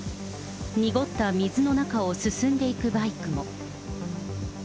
濁った水の中を進んでいくバイクも。